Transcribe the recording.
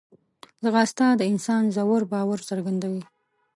ځغاسته د انسان ژور باور څرګندوي